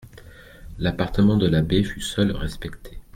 L'appartement de l'abbé fut seul respecté.